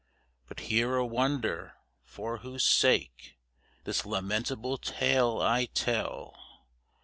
But hear a wonder, for whose sake This lamentable tale I tell!